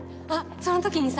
その時にさ